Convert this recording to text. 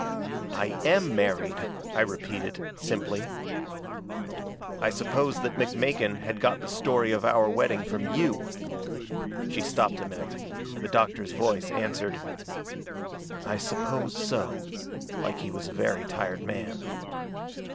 "'I AM married,' I repeated, simply. "I suppose that McMakin had got the story of our wedding from YOU." She stopped a minute. The doctor's voice answered: "I suppose so," like he was a very tired man.